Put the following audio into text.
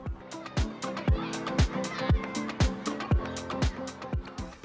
ada beberapa konsep yang ditawarkan dalam edukasi budaya kertalangu